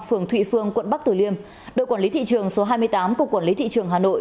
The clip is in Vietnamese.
phường thụy phương quận bắc tử liêm đội quản lý thị trường số hai mươi tám cục quản lý thị trường hà nội